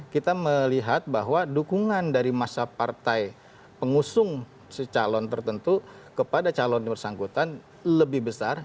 kita melihat bahwa dukungan dari masa partai pengusung secalon tertentu kepada calon yang bersangkutan lebih besar